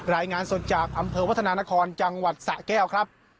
รายงานสดจากอำเภอวัฒนานครจังหวัดสะแก้วครับ